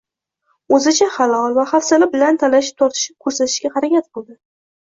o‘zicha halol va hafsala bilan talashib-tortishib ko‘rsatishga harakat qildi.